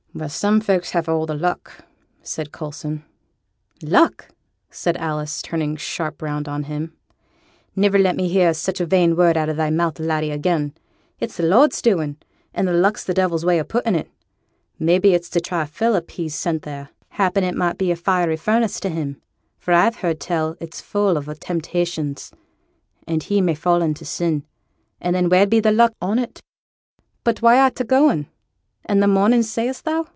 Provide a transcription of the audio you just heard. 'Well! some folks has the luck!' said Coulson. 'Luck!' said Alice, turning sharp round on him. 'Niver let me hear such a vain word out o' thy mouth, laddie, again. It's the Lord's doing, and luck's the devil's way o' putting it. Maybe it's to try Philip he's sent there; happen it may be a fiery furnace to him; for I've heerd tell it's full o' temptations, and he may fall into sin and then where'd be the "luck" on it? But why art ta going? and the morning, say'st thou?